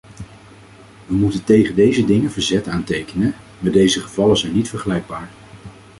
We moeten tegen deze dingen verzet aantekenen, maar deze gevallen zijn niet vergelijkbaar.